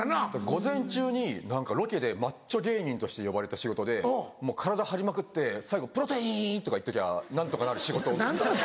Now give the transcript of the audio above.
午前中に何かロケでマッチョ芸人として呼ばれた仕事で体張りまくって最後「プロテイン！」とか言っときゃ何とかなる仕事。